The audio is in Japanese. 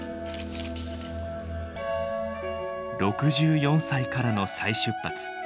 ６４歳からの再出発。